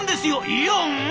「イオン！？